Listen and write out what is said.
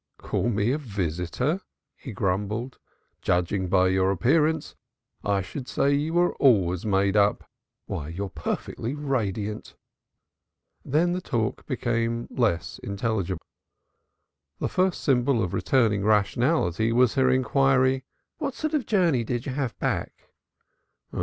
"Call me a visitor?" he grumbled. "Judging by your appearance, I should say you were always made up. Why, you're perfectly radiant." Then the talk became less intelligible. The first symptom of returning rationality was her inquiry "What sort of a journey did you have back?"